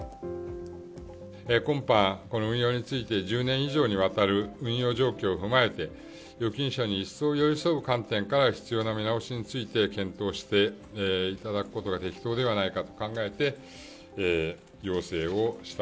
今般、この運用について１０年以上にわたる運用状況を踏まえて、預金者に一層寄り添う観点から必要な見直しについて検討していただくことが適当ではないかと考えて、要請をした。